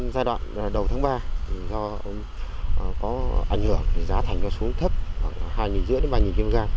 giai đoạn đầu tháng ba do có ảnh hưởng giá thành cho số thấp hai năm trăm linh đến ba kg